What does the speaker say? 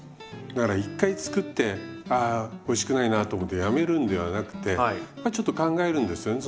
だから１回作って「あおいしくないな」と思ってやめるんではなくてまあちょっと考えるんですよね